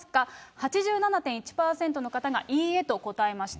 ８７．１％の方がいいえと答えました。